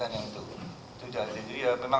itu udah ada jadi memang